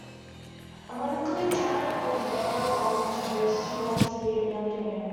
Ironically Tarrant would go on to host Who Wants To Be A Millionaire?